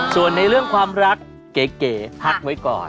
ส่วนในเรื่องความรักเก๋พักไว้ก่อน